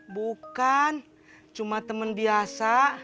bukan cuma temen biasa